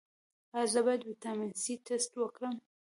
ایا زه باید د ویټامین سي ټسټ وکړم؟